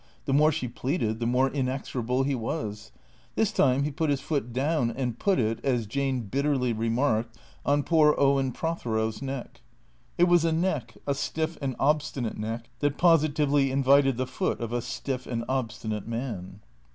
The more she pleaded the more inexorable he was. This time he put his foot down, and put it (as Jane bitterly remarked) on poor Owen Prothero's neck. It was a neck, a stiff and obstinate neck, that positively invited the foot of a stiff and obstinate man.